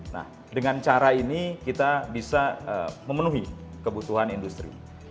nah dengan cara ini kita bisa memenuhi kebutuhan industri